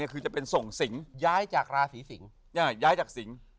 คือจะเป็นส่งสิงย้ายจากราศีสิงย้ายจากสิง